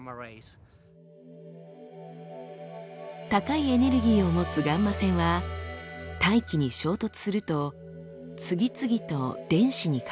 高いエネルギーを持つガンマ線は大気に衝突すると次々と電子に変わります。